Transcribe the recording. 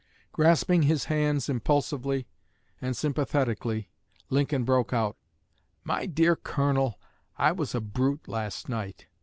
Grasping his hands impulsively and sympathetically, Lincoln broke out: "My dear Colonel, I was a brute last night.